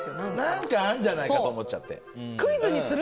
何かあるんじゃないかと思っちゃって。